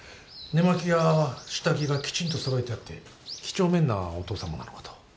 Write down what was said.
寝間着や下着がきちんと揃えてあってきちょうめんなお父さまなのかと。